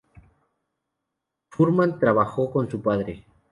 Furman trabajó con su padre.